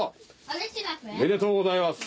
ありがとうございます。